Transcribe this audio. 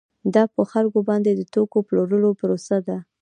دا په خلکو باندې د توکو د پلورلو پروسه ده